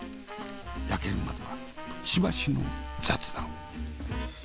焼けるまではしばしの雑談。